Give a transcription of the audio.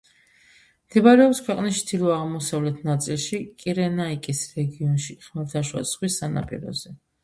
მდებარეობს ქვეყნის ჩრდილო-აღმოსავლეთ ნაწილში, კირენაიკის რეგიონში, ხმელთაშუა ზღვის სანაპიროზე.